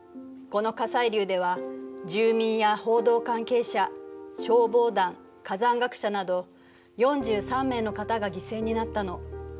この火砕流では住民や報道関係者消防団火山学者など４３名の方が犠牲になったの。